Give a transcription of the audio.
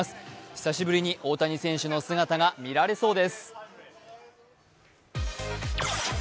久しぶりに大谷選手の姿が見られそうです。